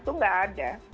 itu tidak ada